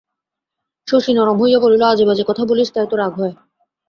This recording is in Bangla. শশী নরম হইয়া বলিল, আজেবাজে কথা বলিস তাই তো রাগ হয়।